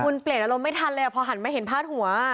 คุณเปลี่ยนอารมณ์ไม่ทันเลยพอหันมาเห็นพาดหัว